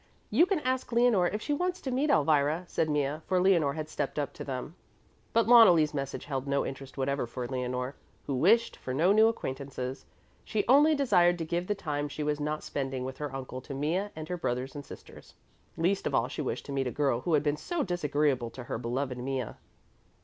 "You can ask Leonore if she wants to meet Elvira," said Mea, for Leonore had stepped up to them. But Loneli's message held no interest whatever for Leonore, who wished for no new acquaintances. She only desired to give the time she was not spending with her uncle to Mea and her brothers and sisters. Least of all she wished to meet a girl who had been so disagreeable to her beloved Mea.